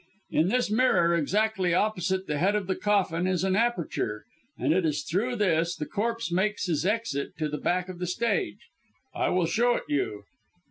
In this mirror exactly opposite the head of the coffin is an aperture, and it is through this 'the corpse' makes his exit to the back of the stage. I will show it you.